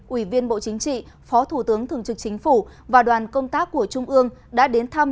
ủy viên bộ chính trị phó thủ tướng thường trực chính phủ và đoàn công tác của trung ương đã đến thăm